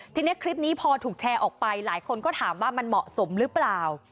ทีนี้คลิปนี้พอถูกแชร์ออกไปหลายคนก็ถามว่ามันเหมาะสมหรือเปล่า